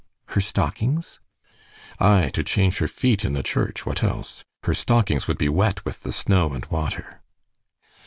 "Her stockings?" "Aye, to change her feet in the church. What else? Her stockings would be wet with the snow and water."